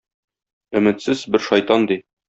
Өметсез - бер шайтан ди.